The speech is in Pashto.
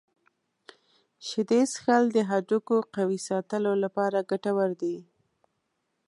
شیدې څښل د هډوکو قوي ساتلو لپاره ګټور دي.